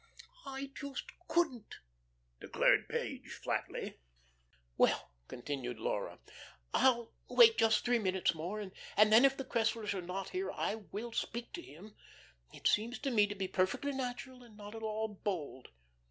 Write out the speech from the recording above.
"I just couldn't," declared Page flatly. "Well," continued Laura, "I'll wait just three minutes more, and then if the Cresslers are not here I will speak to him. It seems to me to be perfectly natural, and not at all bold."